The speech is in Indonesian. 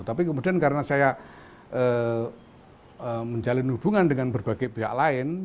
tapi kemudian karena saya menjalin hubungan dengan berbagai pihak lain